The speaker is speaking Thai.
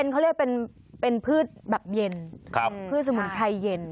เขาเรียกเป็นพืชแบบเย็นพืชสมุนไพรเย็น